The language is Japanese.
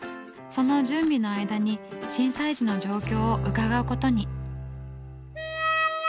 その準備の間に震災時の状況を伺うことに。